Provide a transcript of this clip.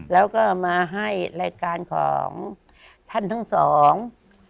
แล้วก็มาให้รายการของท่านทั้งสอง